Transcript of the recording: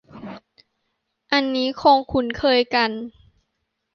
อันนี้คงคุ้นเคยกัน